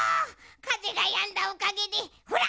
かぜがやんだおかげでほら！